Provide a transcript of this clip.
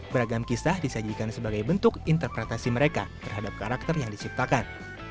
beragam kisah disajikan sebagai bentuk interpretasi mereka terhadap karakter yang diciptakan